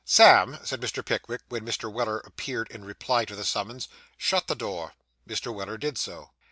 'Sam,' said Mr. Pickwick, when Mr. Weller appeared in reply to the summons, 'shut the door.' Mr. Weller did so.